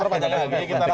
tapi pencegahan juga pak